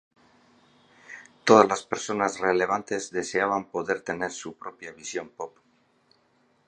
Todas las personas relevantes deseaban poder tener su propia visión pop.